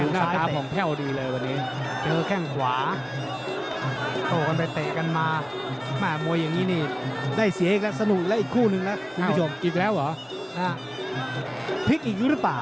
อเจมส์เข้าดีเลยวันนี้แค่งขวาโตกันไปเตะกันมามามวยอย่างนี้นี่ได้เสียอีกแล้วสนุกอีกแล้วอีกคู่หนึ่งแล้วคุณผู้ชมอเจมส์อ้าวอีกแล้วเหรอพลิกอีกหรือเปล่า